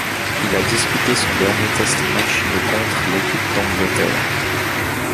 Il a disputé son dernier test match le contre l'équipe d'Angleterre.